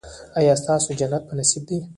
ایا ستاسو جنت په نصیب دی؟